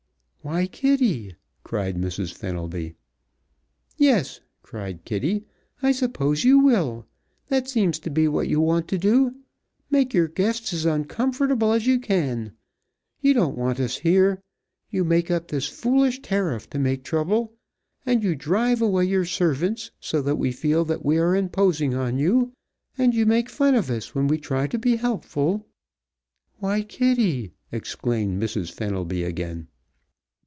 "Why, Kitty!" cried Mrs. Fenelby. "Yes!" cried Kitty. "I suppose you will. That seems to be what you want to do make your guests as uncomfortable as you can. You don't want us here. You make up this foolish tariff to make trouble, and you drive away your servants so that we feel that we are imposing on you, and you make fun of us when we try to be helpful " "Why, Kitty!" exclaimed Mrs. Fenelby again.